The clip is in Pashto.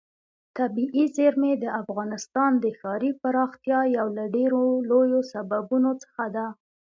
طبیعي زیرمې د افغانستان د ښاري پراختیا یو له ډېرو لویو سببونو څخه ده.